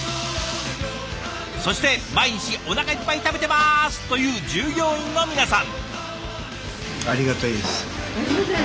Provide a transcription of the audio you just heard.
そして毎日おなかいっぱい食べてますという従業員の皆さん。